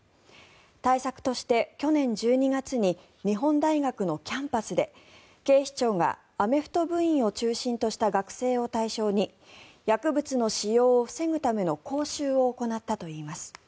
対策として去年１２月に日本大学のキャンパスで警視庁がアメフト部員を中心とした学生を対象に薬物の使用を防ぐための講習を行ったといいます。